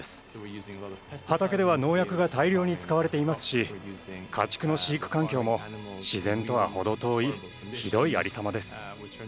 畑では農薬が大量に使われていますし家畜の飼育環境も自然とは程遠いひどいありさまです。